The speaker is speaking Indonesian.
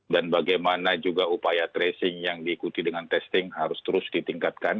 dan bagaimana juga upaya tracing yang diikuti dengan testing harus terus ditingkatkan